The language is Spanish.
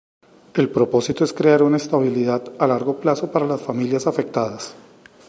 El propósito es crear una estabilidad a largo plazo para las familias afectadas.